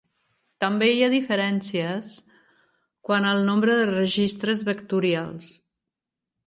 També hi ha diferències quant al nombre de registres vectorials.